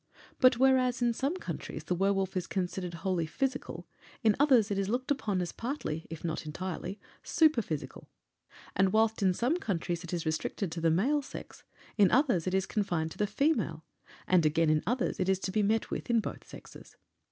But whereas in some countries the werwolf is considered wholly physical, in others it is looked upon as partly, if not entirely, superphysical. And whilst in some countries it is restricted to the male sex, in others it is confined to the female; and, again, in others it is to be met with in both sexes.